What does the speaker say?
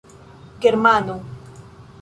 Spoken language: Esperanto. germano